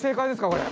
これ。